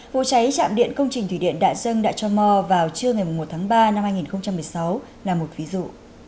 vụ cháy trạm điện công trình thủy điện đạ dân đạ châu mò vào trưa ngày một tháng ba năm hai nghìn một mươi sáu là một ví dụ